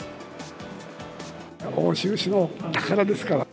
奥州市の宝ですから。